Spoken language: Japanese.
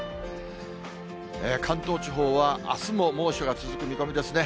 関東地方は、あすも猛暑が続く見込みですね。